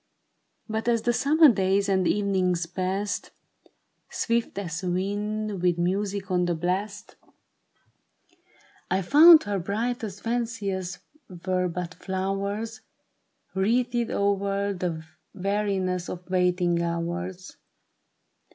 " But as the summer days and evenings passed, Swift as a wind with music on the blast. ISABEL MA YNOR. §3 I found her brightest fancies were but flowers Wreathed o'er the weariness of waiting hours.